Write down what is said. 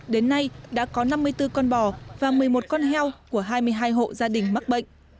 đến nay đã có năm mươi bốn con bò và một mươi một con heo của hai mươi hai hộ gia đình mắc bệnh